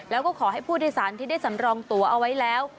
แล้วก็ขอให้ผู้โดยสารที่ได้สำรองตัวเอาไว้แล้ว